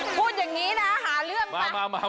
พูดอย่างนี้นะหาเรื่องค่ะ